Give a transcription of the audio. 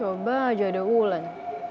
coba aja deh ulan